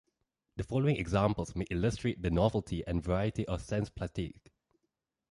The following examples may illustrate the novelty and variety of Sens-Plastique.